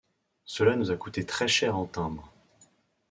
Cela nous a coûté très cher en timbres.